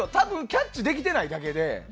キャッチできてないだけで。